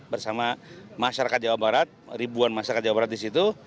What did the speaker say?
bersama masyarakat jawa barat ribuan masyarakat jawa barat disitu